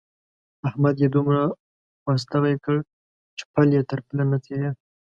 احمد يې دومره خوا ستغی کړ چې پل يې تر پله نه تېرېد.